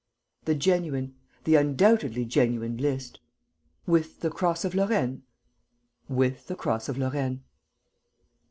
"The genuine, the undoubtedly genuine list." "With the cross of Lorraine?" "With the cross of Lorraine."